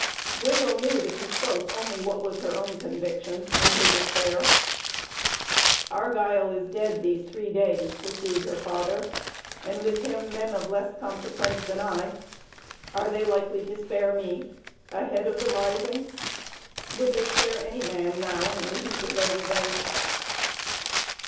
Grizel knew that he spoke only what was her own conviction, and her despair. "Argyle is dead these three days," pursued her father, "and with him men of less consequence than I. Are they likely to spare me a head of the rising? Would they spare any man now, in the heat of their revenge?"